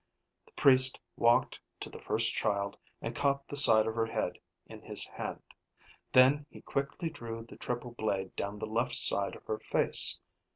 The priest walked to the first child and caught the side of her head in his hand. Then he quickly drew the triple blade down the left side of her face.